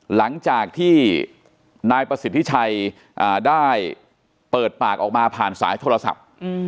หลังจากที่นายประสิทธิชัยได้เปิดปากออกมาผ่านสายโทรศัพท์